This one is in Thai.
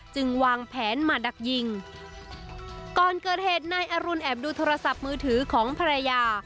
วางแผนมาดักยิงก่อนเกิดเหตุนายอรุณแอบดูโทรศัพท์มือถือของภรรยา